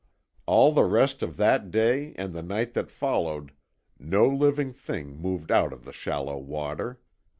All the rest of that day and the night that followed no living thing moved out of the shallow water.